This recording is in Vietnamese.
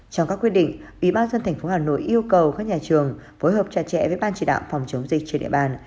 trong các quyết định ủy ban dân thành phố hà nội yêu cầu các nhà trường phối hợp trà trẻ với ban chỉ đạo phòng chống dịch trên địa bàn